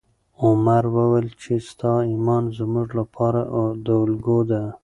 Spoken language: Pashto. عمر وویل چې ستا ایمان زموږ لپاره الګو ده.